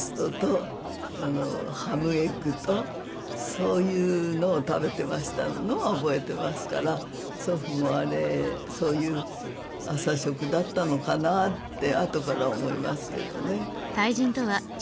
そういうのを食べてましたのは覚えてますから祖父もそういう朝食だったのかなってあとから思いますけどね。